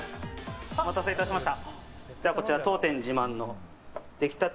お待たせいたしました。